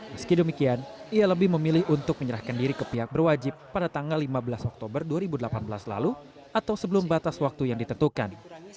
meski demikian ia lebih memilih untuk menyerahkan diri ke pihak berwajib pada tanggal lima belas oktober dua ribu delapan belas lalu atau sebelum batas waktu yang ditentukan